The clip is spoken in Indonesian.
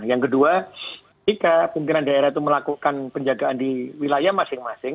yang kedua jika pimpinan daerah itu melakukan penjagaan di wilayah masing masing